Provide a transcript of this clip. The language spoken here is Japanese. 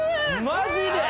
マジで！？